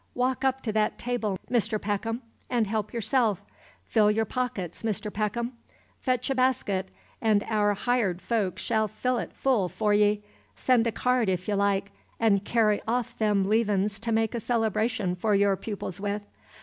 "Walk up to that table, Mr. Peckham, and help yourself! Fill your pockets; Mr. Peckham! Fetch a basket, and our hired folks shall fill it full for ye! Send a cart, if y' like, 'n' carry off them leavin's to make a celebration for your pupils with!